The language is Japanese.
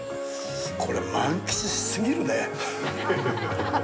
これ、満喫し過ぎるね！